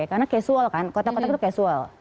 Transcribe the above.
karena casual kan kotak kotak itu casual